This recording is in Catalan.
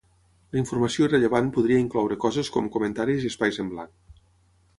La informació irrellevant podria incloure coses com comentaris i espais en blanc.